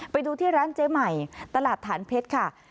ไปดูที่ร้านเจ๊ใหม่ตลาดฐานเพชรค่ะ